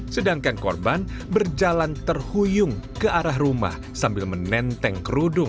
sedangkan korban berjalan terhuyung ke arah rumah sambil menenteng kerudung